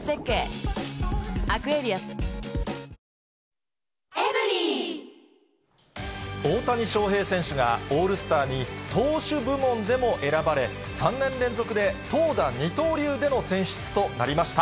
ポイントアップデーも大谷翔平選手が、オールスターに投手部門でも選ばれ、３年連続で投打二刀流での選出となりました。